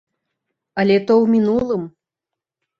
Але то ў мінулым.